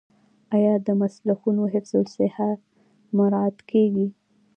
آیا د مسلخونو حفظ الصحه مراعات کیږي؟